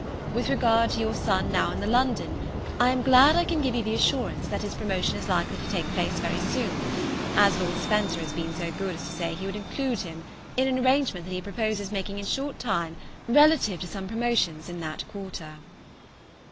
With regard to your son now in the 'London' I am glad I can give you the assurance that his promotion is likely to take place very soon, as Lord Spencer has been so good as to say he would include him in an arrangement that he proposes making in a short time relative to some promotions in that quarter."